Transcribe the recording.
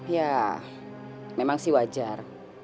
ya memang sih wajar